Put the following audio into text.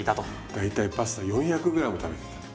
大体パスタ４００ｇ食べてた。